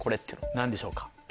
何でしょうか？